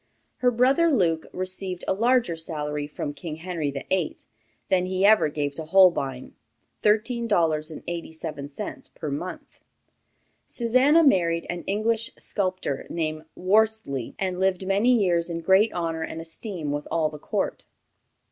Her brother Luke received a larger salary from King Henry VIII. than he ever gave to Holbein, $13.87 per month. Susannah married an English sculptor, named Whorstly, and lived many years in great honor and esteem with all the court.